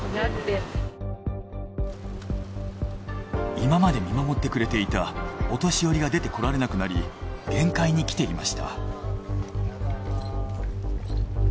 今まで見守ってくれていたお年寄りが出てこられなくなり限界にきていました。